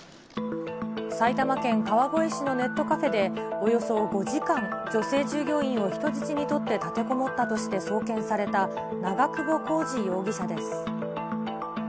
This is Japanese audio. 埼玉県川越市のネットカフェでおよそ５時間、女性従業員を人質に取って立てこもったとして送検された長久保浩二容疑者です。